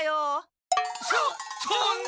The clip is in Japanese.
そそんな！